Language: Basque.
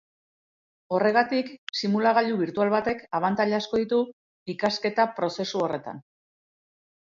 Horregatik, simulagailu birtual batek abantaila asko ditu ikasketa-prozesu horretan.